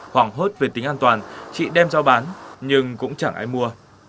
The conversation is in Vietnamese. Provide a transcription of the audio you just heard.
hoảng hốt về tính an toàn chị đem giao bán nhưng cũng chẳng ai mua